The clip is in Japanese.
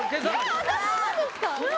えっ私もですか！？